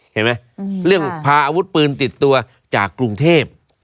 เห็นไหมเรื่องพาอาวุธปืนติดตัวจากกรุงเทพ